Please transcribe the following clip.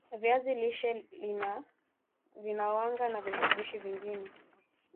viazi lishe vina wanga na virutubishi vingine vin